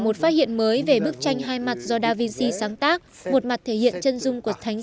một phát hiện mới về bức tranh hai mặt do davinsi sáng tác một mặt thể hiện chân dung của thánh